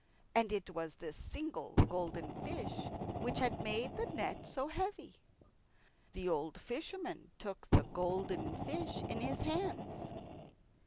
And it was this single golden fish which had made the net so heavy. The old fisherman took the golden fish in his hands.